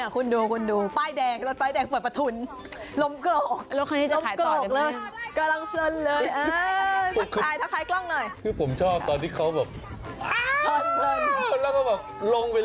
คุณดูคุณดูป้ายแดงฟ้าแดง